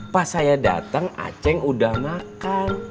pas saya datang aceng udah makan